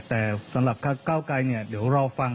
แต่สำหรับก้าวกลัยเนี่ยเดี๋ยวเราฟัง